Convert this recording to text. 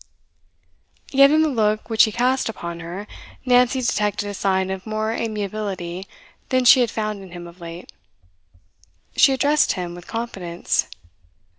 Yet in the look which he cast upon her, Nancy detected a sign of more amiability than she had found in him of late. She addressed him with confidence.